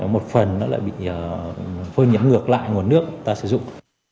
một phần nó lại bị phơi nhiễm ngược lại nguồn nước ta sử dụng